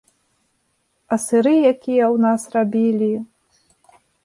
А сыры якія ў нас рабілі!